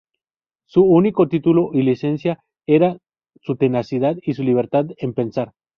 Su único título y licencia era su tenacidad y su libertad en pensar.